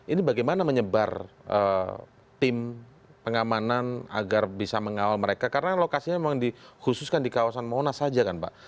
ini bagaimana menyebar tim pengamanan agar bisa mengawal mereka karena lokasinya memang dikhususkan di kawasan monas saja kan pak